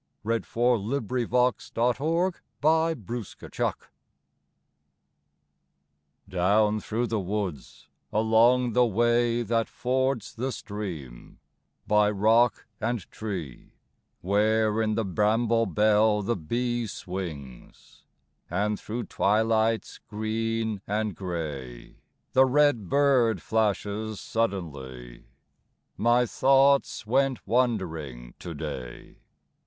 The wood is haunted since that night. COMRADES. Down through the woods, along the way That fords the stream; by rock and tree, Where in the bramble bell the bee Swings; and through twilights green and gray The red bird flashes suddenly, My thoughts went wandering to day.